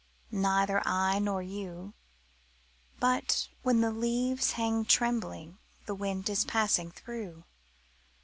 Neither I nor you; But when the leaves hang trembling The wind is passing through.